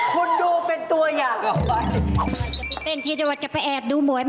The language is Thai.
คุณดูเป็นตัวอยากหรอวะ